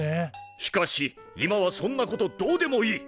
しかし今はそんなことどうでもいい！